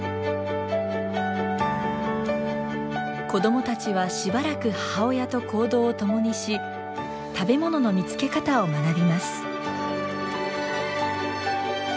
子どもたちはしばらく母親と行動を共にし食べ物の見つけ方を学びます。